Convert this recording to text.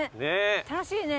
楽しいね。